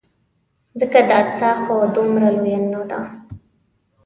ځکه دا څاه خو دومره لویه نه ده.